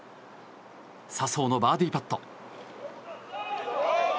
笹生のバーディーパット。